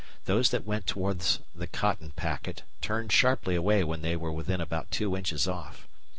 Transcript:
Those that went towards the cotton packet turned sharply away when they were within about two inches off.